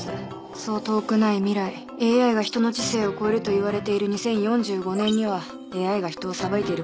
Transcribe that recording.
そう遠くない未来ＡＩが人の知性を超えるといわれている２０４５年にはＡＩが人を裁いていることでしょう。